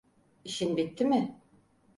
İşin bitti mi?